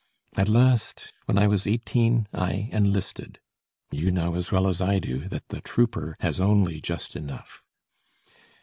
At last, when I was eighteen I enlisted; you know as well as I do, that the trooper has only just enough.